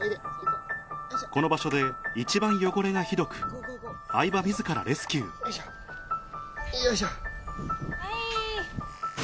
この場所で一番汚れがひどく相葉自らレスキューよいしょ。